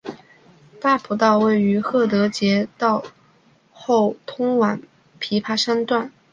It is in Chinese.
大埔道于郝德杰道后通往琵琶山段。